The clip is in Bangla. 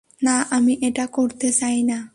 না, আমি এটা করতে চাই না।